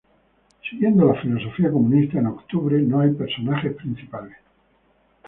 Siguiendo la filosofía comunista, en "Octubre" no hay personajes principales.